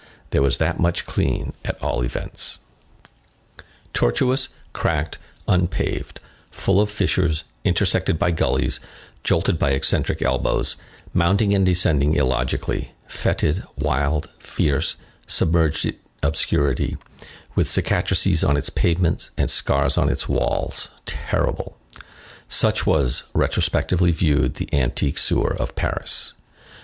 There was that much clean, at all events. Tortuous, cracked, unpaved, full of fissures, intersected by gullies, jolted by eccentric elbows, mounting and descending illogically, fetid, wild, fierce, submerged in obscurity, with cicatrices on its pavements and scars on its walls, terrible,—such was, retrospectively viewed, the antique sewer of Paris.